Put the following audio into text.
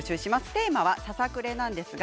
テーマはささくれです。